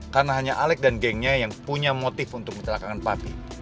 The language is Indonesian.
karena hanya alec dan gengnya yang punya motif untuk kecelakaan papi